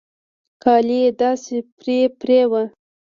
کالي يې داسې پرې پرې وو.